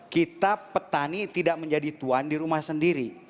kita petani tidak menjadi tuan di rumah sendiri